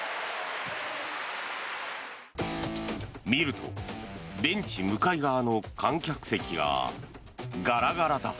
見るとベンチ向かい側の観客席がガラガラだ。